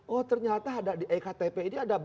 oh ternyata ada di ektp ini ada